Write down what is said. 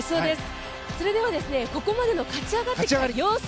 それではここまでの勝ち上がってきた様子